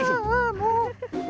もう。